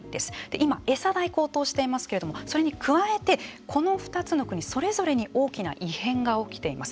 今、餌代が高騰していますけれどもそれに加えて、この２つの国それぞれに大きな異変が起きています。